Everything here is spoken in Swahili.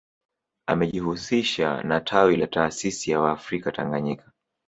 Amejihusisha na tawi la taasisi ya waafrika Tanganyika